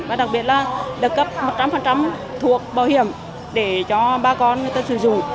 và đặc biệt là được cấp một trăm linh thuốc bảo hiểm để cho bà con người ta sử dụng